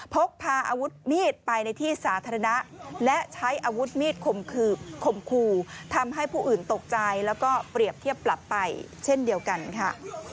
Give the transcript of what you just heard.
พกพาอาวุธมีดไปในที่สาธารณะและใช้อาวุธมีดข่มขืบข่มขู่ทำให้ผู้อื่นตกใจแล้วก็เปรียบเทียบปรับไปเช่นเดียวกันค่ะ